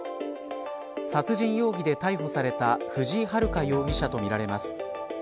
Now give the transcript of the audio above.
殺人容疑で逮捕された藤井遥容疑者とみられます。